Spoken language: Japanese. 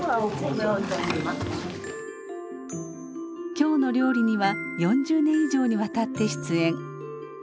「きょうの料理」には４０年以上にわたって出演。